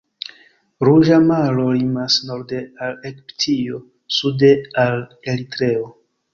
Ruĝa Maro limas norde al Egiptio, sude al Eritreo.